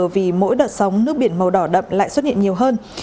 vì mỗi đợt sóng nước biển màu đỏ đậm lại xuất hiện nhiều hơn